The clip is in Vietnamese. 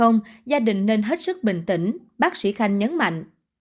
nên hết sức bình tĩnh bác sĩ khanh nhấn mạnh